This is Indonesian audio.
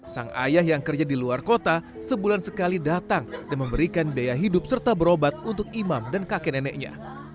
sang ayah yang kerja di luar kota sebulan sekali datang dan memberikan biaya hidup serta berobat untuk imam dan kakek neneknya